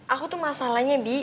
aku tuh masalahnya bi